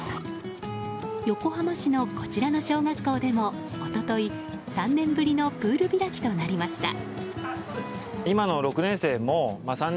横浜市のこちらの小学校でも一昨日３年ぶりのプール開きとなりました。